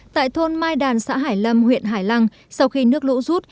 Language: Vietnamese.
tại thôn mai đàn xã hải lâm huyện hải lăng sau khi nước lũ rút